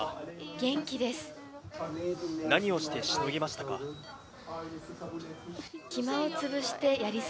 元気です。